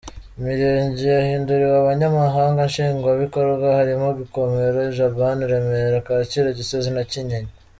Imirenge yahinduriwe Abanyamabanga Nshingwabikorwa harimo Gikomero, Jabana, Remera, Kacyiru, Gisozi na Kinyinya.